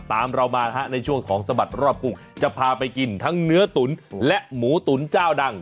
เรามาฮะในช่วงของสบัดรอบกรุงจะพาไปกินทั้งเนื้อตุ๋นและหมูตุ๋นเจ้าดัง